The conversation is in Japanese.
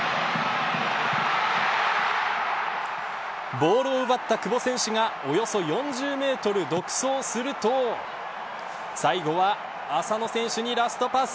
ボールを奪った久保選手がおよそ４０メートル独走すると最後は浅野選手にラストパス。